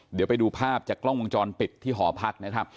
เดี๋ยวไปดูภาพจากกล้องวงจรปิดที่หอพักนะครับ